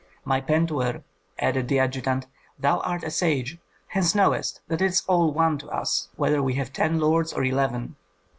"My Pentuer," added the adjutant, "thou art a sage, hence knowest that it is all one to us whether we have ten lords or eleven."